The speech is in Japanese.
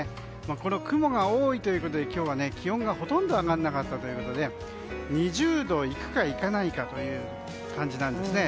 この雲が多いということで今日は気温がほとんど上がらなかったということで２０度いくかいかないかという感じなんですね。